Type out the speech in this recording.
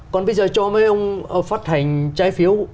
còn bây giờ cho mấy ông phát hành trái phiếu